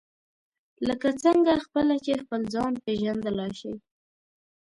لکه څنګه خپله چې خپل ځان پېژندلای شئ.